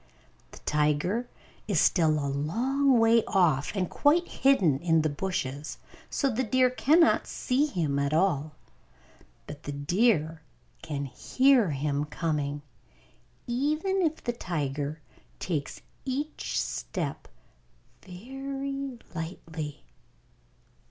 The tiger is still a long way off, and quite hidden by the bushes, so the deer cannot see him at all. But the deer can hear him coming, even if the tiger takes each step very lightly.